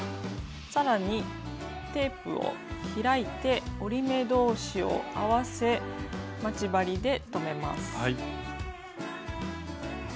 さらにテープを開いて折り目同士を合わせ待ち針で留めます。